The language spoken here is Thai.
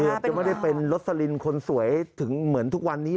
เกือบจะไม่ได้เป็นลัดสลินคนสวยถึงเหมือนทุกวันนี้นะ